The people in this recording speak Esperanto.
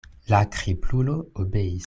La kriplulo obeis.